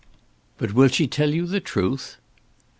"But will she tell you the truth?"